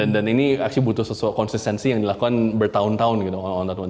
dan ini actually butuh sesuatu konsistensi yang dilakukan bertahun tahun gitu orang orang tahun ini